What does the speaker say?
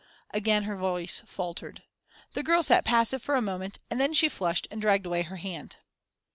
Again her voice faltered. The girl sat passive for a moment, and then she flushed and dragged away her hand.